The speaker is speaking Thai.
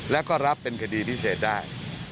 แล้วก็รับเป็นคดีพิเศษได้